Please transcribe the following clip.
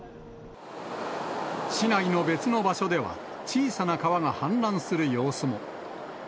市内の別の場所では、小さな川が氾濫する様子も。